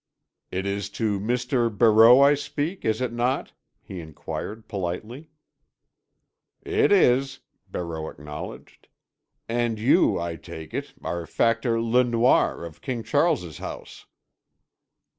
"It is to Mr. Barreau I speak, is it not?" he inquired politely. "It is," Barreau acknowledged. "And you, I take it, are Factor Le Noir of King Charles' House."